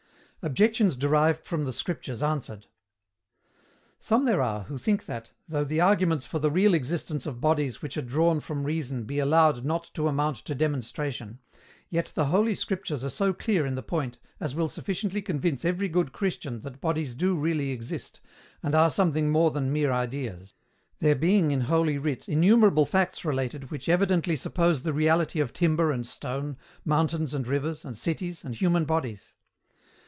OBJECTIONS DERIVED FROM THE SCRIPTURES ANSWERED. Some there are who think that, though the arguments for the real existence of bodies which are drawn from Reason be allowed not to amount to demonstration, yet the Holy Scriptures are so clear in the point as will sufficiently convince every good Christian that bodies do really exist, and are something more than mere ideas; there being in Holy Writ innumerable facts related which evidently suppose the reality of timber and stone, mountains and rivers, and cities, and human bodies.